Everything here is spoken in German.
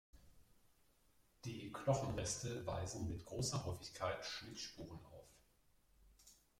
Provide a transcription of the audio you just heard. Die Knochenreste weisen mit großer Häufigkeit Schnittspuren auf.